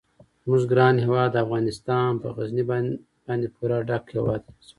زموږ ګران هیواد افغانستان په غزني باندې پوره ډک هیواد دی.